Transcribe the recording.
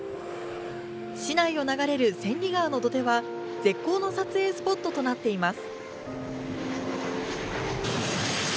市内を流れる千里川の土手は絶好の撮影スポットとなっています。